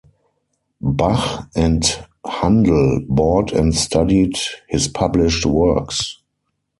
Bach and Handel bought and studied his published works.